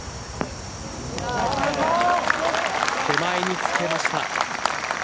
手前につけました。